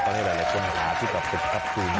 ตอนนี้หลายคนมาถามที่กับคุณครับจูนยก